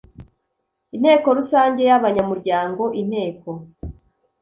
inteko rusange y abanyamuryango inteko